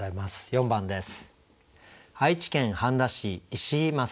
４番です。